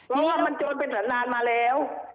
เพราะว่ามันจนเป็นสันนานมาแล้ว